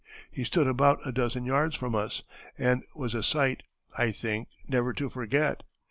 He stood about a dozen yards from us, and was a sight, I think, never to forget.